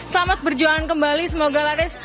selamat berjuang kembali semoga laris